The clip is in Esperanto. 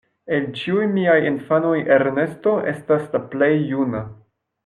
El ĉiuj miaj infanoj Ernesto estas la plej juna.